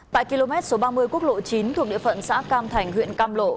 tại km số ba mươi quốc lộ chín thuộc địa phận xã cam thành huyện cam lộ